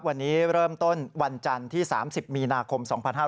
วันนี้เริ่มต้นวันจันทร์ที่๓๐มีนาคม๒๕๕๙